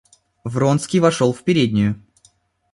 Вронский вошел в переднюю.